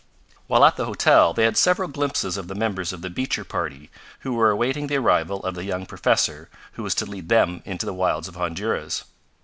While at the hotel they had several glimpses of the members of the Beecher party who were awaiting the arrival of the young professor who was to lead them into the wilds of Honduras.